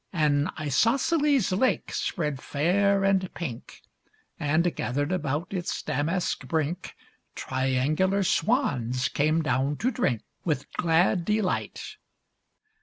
An isosceles lake spread fair and pink, And, gathered about its damask brink, Triangular swans came down to drink With glad delight.